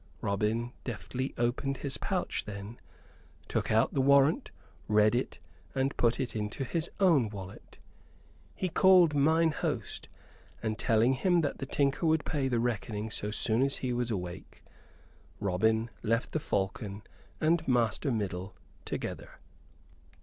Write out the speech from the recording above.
Robin deftly opened his pouch then, took out the warrant, read it, and put it into his own wallet. He called mine host, and, telling him that the tinker would pay the reckoning so soon as he awoke, Robin left the "Falcon" and Master Middle together.